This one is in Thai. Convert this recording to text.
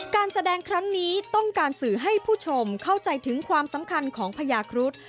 การแสดงครั้งนี้ต้องการสื่อให้ผู้ชมเข้าใจถึงความสำคัญของพญาครุฑ